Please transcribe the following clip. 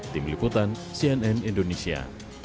tim liputan cnn indonesia